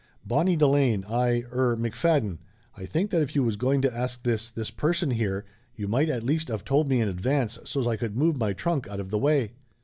"Bonnie Delane I er McFadden, I think that if you was going to ask this this person here you might at least of told me in advance so's I could move my trunk out of the way!"